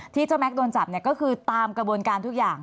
ที่เจ้าแม็กซ์โดนจับเนี่ยก็คือตามกระบวนการทุกอย่าง